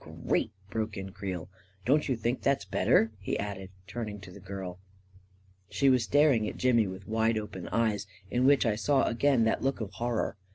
" Great !" broke in Creel. " Don't you think that's better? " he added, turning to the girl. She was staring at Jimmy with wide open eyes, in which I saw again that look of horror.